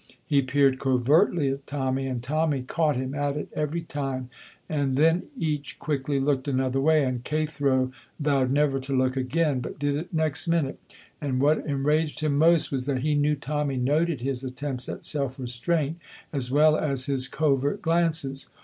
He peered covertly at Tommy, and Tommy caught him at it every time, and then each quickly looked another way, and Cathro vowed never to look again, but did it next minute, and what enraged him most was that he knew Tommy noted his attempts at self restraint as well as his covert glances.